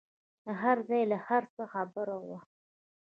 له هرځايه له هرڅه خبره وه.